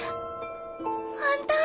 本当！